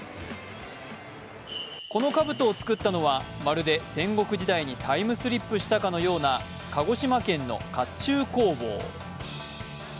このかぶとを作ったのはまるで戦国時代にタイムスリップしたかのような鹿児島県のかっちゅう工房。